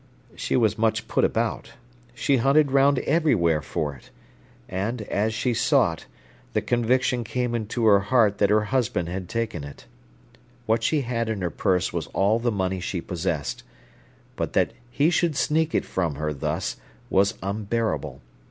She was much put about. She hunted round everywhere for it. And, as she sought, the conviction came into her heart that her husband had taken it. What she had in her purse was all the money she possessed. But that he should sneak it from her thus was unbearable.